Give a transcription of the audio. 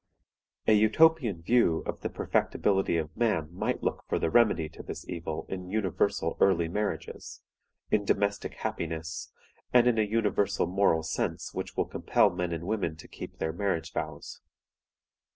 "A utopian view of the perfectibility of man might look for the remedy to this evil in universal early marriages, in domestic happiness, and in a universal moral sense which will compel men and women to keep their marriage vows.